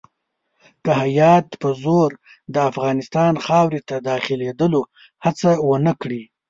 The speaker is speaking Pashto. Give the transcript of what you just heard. که هیات په زور د افغانستان خاورې ته داخلېدلو هڅه ونه کړي.